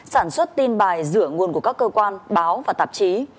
sản xuất tin bài rửa nguồn của các cơ quan báo và tạp chí